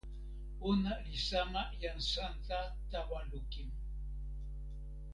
ona li sama jan Santa tawa lukin.